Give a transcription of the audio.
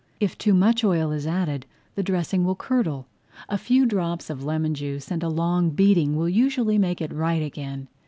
If too much oil is added the dressing will curdle. A few drops of lemon juice and long beating will usually make it right again.